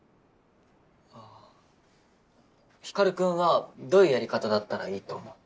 光君はどういうやり方だったらいいと思う？